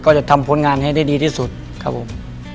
จะทำผลงานให้ได้ดีที่สุดครับผม